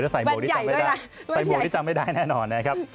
แวดใหญ่ด้วยนะแวดใหญ่ใส่โบว์ที่จำไม่ได้แน่นอนนะครับ